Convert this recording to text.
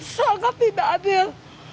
sangat tidak adil